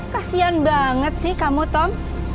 kasian banget sih kamu tom